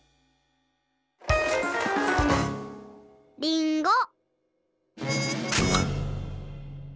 りんご。